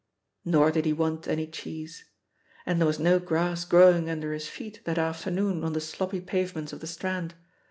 Nor did he want any cheese. And there was no grass growing under his feet that afternoon OR the sloppy pavements of the Strand.